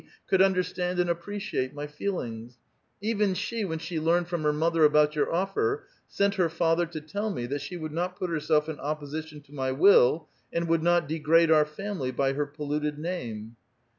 — could understand and appreciate my feelings; even she when she learned from her mother about your offer, sent her father to tell me, that she would not put herself in opposition to my will and would not • degrade our family by her polluted name."